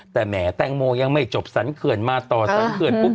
แต่แหมแตงโมยังไม่จบสรรเขื่อนมาต่อสรรเขื่อนปุ๊บ